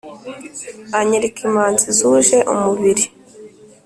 anyereka imanzi zuje umubiri,